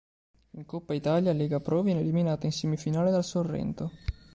In Coppa Italia Lega Pro viene eliminata in semifinale dal Sorrento.